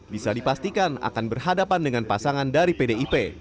bisa dipastikan akan berhadapan dengan pasangan dari pdip